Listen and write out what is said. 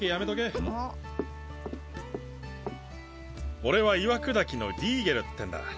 俺は岩砕きのディーゲルってんだ。